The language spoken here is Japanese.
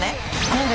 何で？